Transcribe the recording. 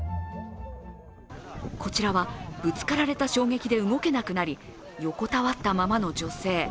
こちらはぶつかられた衝撃で動けなくなり横たわったままの女性。